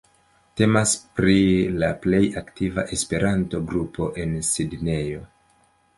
Temas pri la plej aktiva Esperanto-grupo en Sidnejo.